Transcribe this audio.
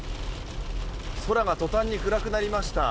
空が途端に暗くなりました。